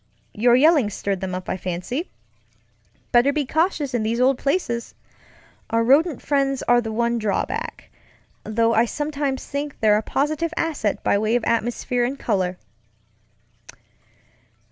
Your yelling stirred them up, I fancy. Better be cautious in these old placesŌĆöour rodent friends are the one drawback, though I sometimes think they're a positive asset by way of atmosphere and color."